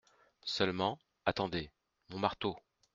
Seulement, attendez… mon marteau !